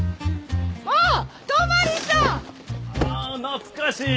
ああ懐かしい。